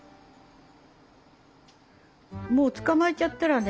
もう捕まえちゃったらね